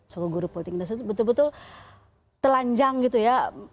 sokoguru politik indonesia itu betul betul telanjang gitu ya